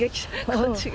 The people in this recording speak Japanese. こっちが。